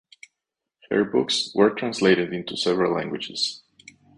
Her books were translated into several languages.